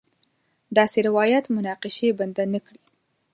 داسې روایت مناقشې بنده نه کړي.